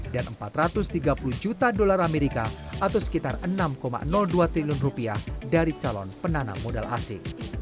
dan empat ratus tiga puluh juta dolar amerika atau sekitar rp enam dua triliun dari calon penanam modal asi